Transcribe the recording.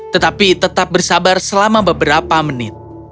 tetapi tetap bersabar selama beberapa menit